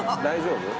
大丈夫？